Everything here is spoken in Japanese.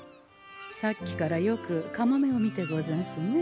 さっきからよくカモメを見てござんすね。